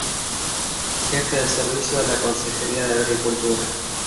Jefe de Servicio de la Consejería de Agricultura.